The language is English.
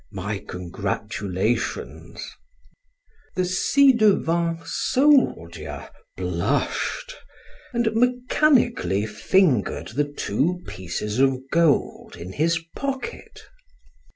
My congratulations!" The ci devant soldier blushed and mechanically fingered the two pieces of gold in his pocket.